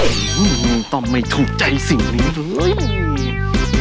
ชิบอืมต้องไม่ถูกใจสิ่งนี้เลย